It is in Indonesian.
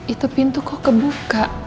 itu pintu kok kebuka